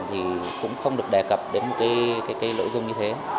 thì cũng không được đề cập đến một cái lợi dụng như thế